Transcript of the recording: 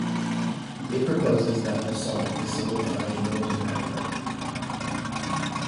It proposes that basalt is solidified molten magma.